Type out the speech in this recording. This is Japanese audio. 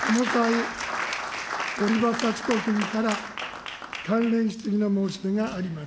堀場幸子君から関連質疑の申し出があります。